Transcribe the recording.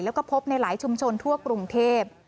แล้วก็พบในหลายชุมชนทั่วกรุงเทพ